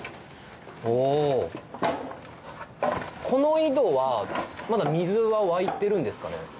この井戸はまだ水は湧いてるんですかね？